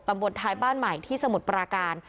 บนท้ายบ้านใหม่ที่สมุทรปราการ